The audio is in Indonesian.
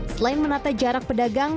selain menata jarak pedagang